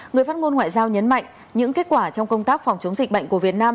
người phát ngôn ngoại giao nhấn mạnh những kết quả trong công tác phòng chống dịch bệnh của việt nam